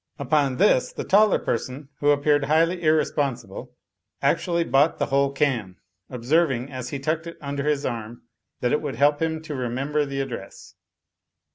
Upon this the taller person, who appeared highly irresponsible, actually bought the whole can; observing, as he tucked it under his arm, that it would help him to remember the address.